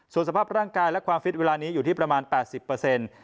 ส่วนสภาพร่างกายและความฟิตเวลานี้อยู่ที่ประมาณ๘๐เปอร์เซ็นต์